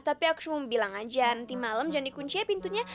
tapi aku cuma bilang aja nanti malam jangan dikunci ya pintunya